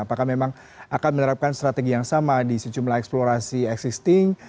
apakah memang akan menerapkan strategi yang sama di sejumlah eksplorasi existing